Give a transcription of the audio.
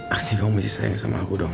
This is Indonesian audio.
artinya kamu masih sayang sama aku dong